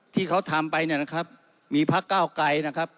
ที่เขาทำไปเนี่ยนะครับมีพักเก้าไกรนะครับ